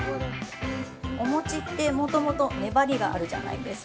◆お餅って、もともと粘りがあるじゃないですか。